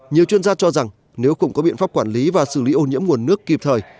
nhiều chuyên gia cho rằng nếu không có biện pháp quản lý và xử lý ô nhiễm nguồn nước kịp thời